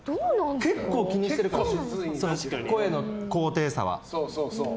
結構気にしてるから声の高低差は。